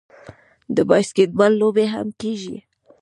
د باسکیټبال لوبې هم کیږي.